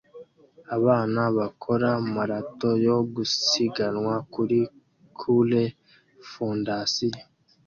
Abantu bakora marato yo gusiganwa kuri Cure fondasiyo